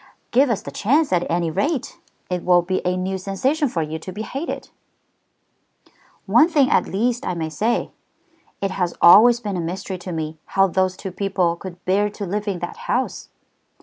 "Give us the chance at any rate. It will be a new sensation for you to be hated." "One thing at least I may say. It has always been a mystery to me how those two people could bear to live in that house."